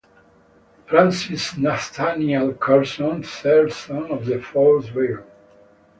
Francis Nathaniel Curzon, third son of the fourth Baron.